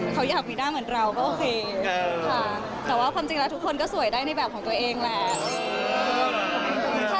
แต่ว่าทุกคนก็สวยได้ในแบบของตัวเองแหละ